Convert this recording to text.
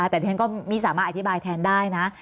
แต่ที่ฉันก็ไม่สามารถอธิบายแทนได้นะ